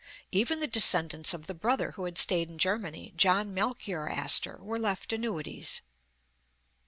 Even the descendants of the brother who had stayed in Germany, John Melchior Astor, were left annuities.